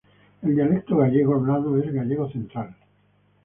El dialecto gallego hablado es gallego central.